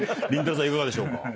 さんいかがでしょうか？